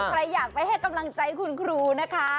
ใครอยากไปให้กำลังใจคุณครูนะคะ